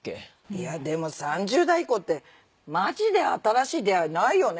いやでも３０代以降ってマジで新しい出会いないよね？